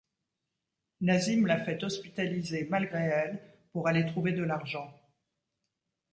Nasim la fait hospitaliser malgré elle pour aller trouver de l’argent.